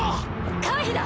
回避だ！